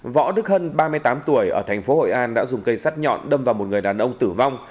võ đức hân ba mươi tám tuổi ở thành phố hội an đã dùng cây sắt nhọn đâm vào một người đàn ông tử vong